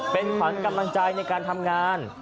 เป็นขวัญกำลังใจในการทำงาน